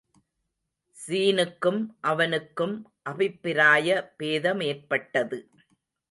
ஸீனுக்கும் அவனுக்கும் அபிப்பிராய பேதமேற்பட்டது.